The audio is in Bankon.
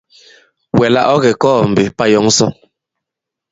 Wɛ̀ là ɔ̌ kè kɔɔ̄ mbe, pà yɔ̌ŋ sɔ?